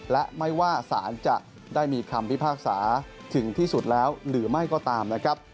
และไม่ว่าสารจะได้มีคำพิพากษาถึงที่สุดแล้วหรือไม่ก็ตามนะครับ